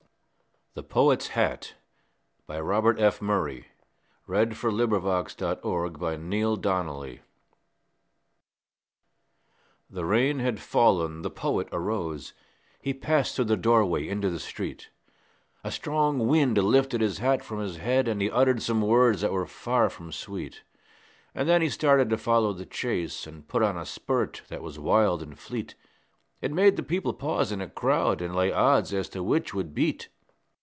and ashes and sad self scorning Shall be for a portion unto you. THE POET'S HAT The rain had fallen, the Poet arose, He passed through the doorway into the street, A strong wind lifted his hat from his head, And he uttered some words that were far from sweet. And then he started to follow the chase, And put on a spurt that was wild and fleet, It made the people pause in a crowd, And lay odds as to which would beat.